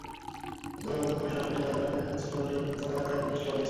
গতকাল বুধবার সকালে সরেজমিনে দেখা যায়, শহরের গুরুত্বপূর্ণ এলাকায় পুলিশ টহল দিচ্ছে।